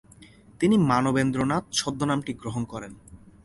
তিনি মানবেন্দ্রনাথ ছদ্মনামটি গ্রহণ করেন।